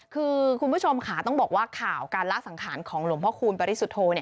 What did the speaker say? คือคุณผู้ชมค่ะต้องบอกว่าข่าวการละสังขารของหลวงพระคูณปริสุทธโธเนี่ย